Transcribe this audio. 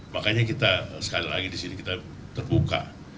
makanya kita sekali lagi disini kita terbuka